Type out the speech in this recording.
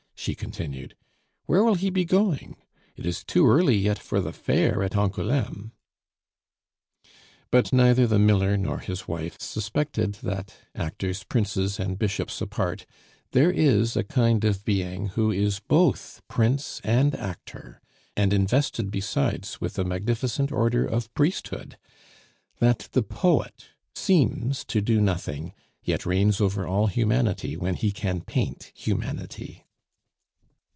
she continued. "Where will he be going? It is too early yet for the fair at Angouleme." But neither the miller nor his wife suspected that (actors, princes, and bishops apart) there is a kind of being who is both prince and actor, and invested besides with a magnificent order of priesthood that the Poet seems to do nothing, yet reigns over all humanity when he can paint humanity.